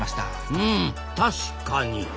うん確かに！